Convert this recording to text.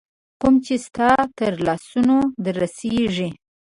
کوم چي ستا تر لاسونو در رسیږي